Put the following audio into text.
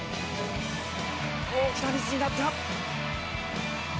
大きなミスになった。